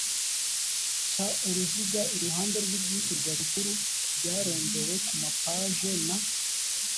ca uruziga iruhande rw ibyishyurwa bikuru byarondowe ku mapaje na